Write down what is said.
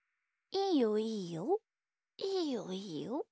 いいよいいよ。